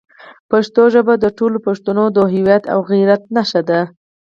پښتو ژبه د ټولو پښتنو د هویت او غیرت نښه ده.